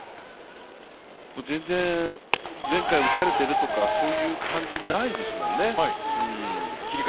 全然、前回打たれてるとかそういう感じ、ないですもんね。